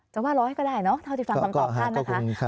ว่าร้อยก็ได้เนอะเท่าที่ฟังคำตอบท่านนะคะ